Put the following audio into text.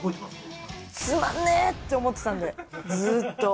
つまんねえって思ってたんで、ずっと。